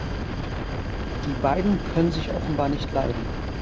Die beiden können sich offenbar nicht leiden.